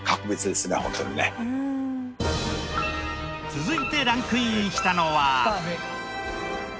続いてランクインしたのは。